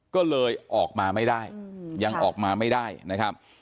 ก็เลยออกมาไม่ได้ยังออกมาไม่ได้นะครับ